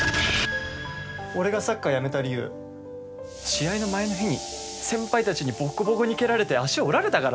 俺がサッカーやめた理由試合の前の日に先輩たちにボッコボコに蹴られて足折られたからだよ。